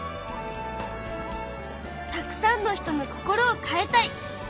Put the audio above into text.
たくさんの人の心を変えたい。